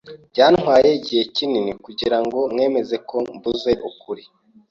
Byantwaye igihe kinini kugirango mwemeze ko mvuze ukuri.